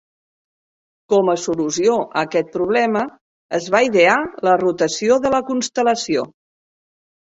Com a solució a aquest problema es va idear la rotació de la constel·lació.